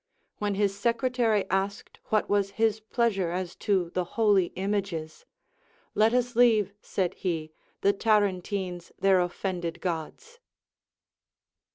ΛVhen his secretary asked what Avas his pleasure as to the holy images. Let us leave, said he, the Tarentines their offended Gods.